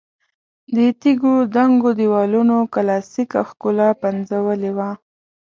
د تیږو دنګو دېوالونو کلاسیکه ښکلا پنځولې وه.